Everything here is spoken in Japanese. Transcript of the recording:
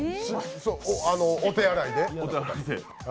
お手洗いで？